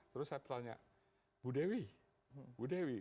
terus saya tanya bu dewi bu dewi